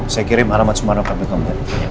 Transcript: saya kirim alamat sumarno kembali kemu